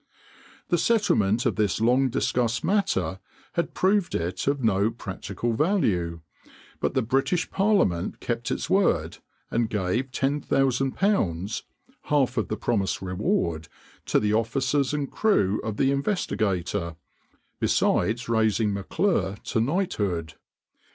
The settlement of this long discussed matter had proved it of no practical value; but the British Parliament kept its word, and gave £10,000 (half of the promised reward) to the officers and crew of the Investigator, besides raising M'Clure to knighthood.